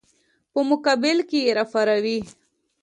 په مقابل کې یې راپاروي.